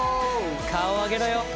顔上げろよ。